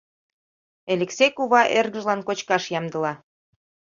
Элексей кува эргыжлан кочкаш ямдыла.